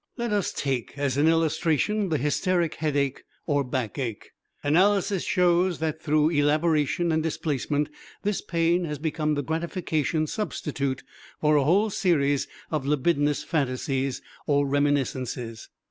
Let us take as an illustration the hysteric headache or backache. Analysis shows that through elaboration and displacement this pain has become the gratification substitute for a whole series of libidinous phantasies or reminiscences.